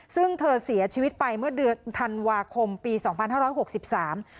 ซึ่งเธอเสียชีวิตไปเมื่อเดือนธันวาคมปีสองพันห้าร้อยหกสิบสาม